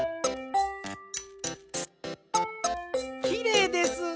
きれいです。